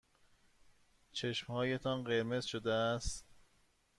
چشمهایتان قرمز شده است.